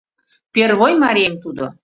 Первой марием тудо.